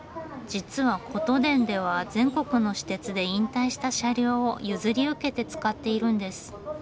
実はことでんでは全国の私鉄で引退した車両を譲り受けて使っているんです。